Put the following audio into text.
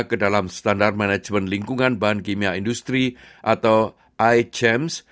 ke dalam standar management lingkungan bahan kimia industri atau ichems